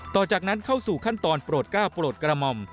ต่อจากนั้นเข้าสู่ขั้นตอนโปรด๙โปรดกรมม